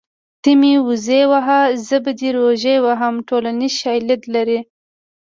ته مې وزې وهه زه به دې روژې وهم ټولنیز شالید لري